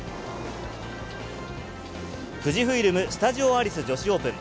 富士フイルム・スタジオアリス女子オープン。